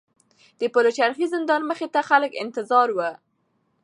د پلچرخي زندان مخې ته خلک انتظار وو.